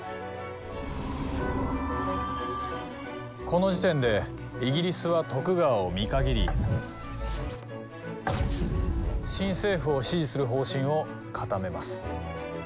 この時点でイギリスは徳川を見限り新政府を支持する方針を固めます。